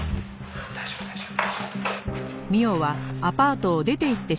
大丈夫大丈夫」「」「」「」